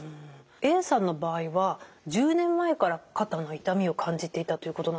Ａさんの場合は１０年前から肩の痛みを感じていたということなんですけど